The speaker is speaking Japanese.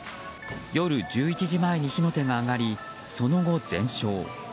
夜１１時前に火の手が上がりその後、全焼。